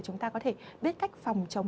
chúng ta có thể biết cách phòng chống